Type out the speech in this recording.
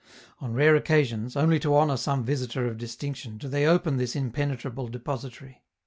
On rare occasions, only to honor some visitor of distinction, do they open this impenetrable depositary.